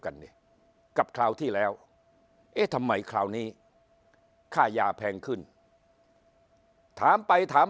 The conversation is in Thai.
กันเนี่ยกับคราวที่แล้วเอ๊ะทำไมคราวนี้ค่ายาแพงขึ้นถามไปถาม